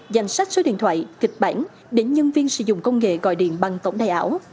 danh sách số điện thoại kịch bản để nhân viên sử dụng công nghệ gọi điện bằng tổng đài ảo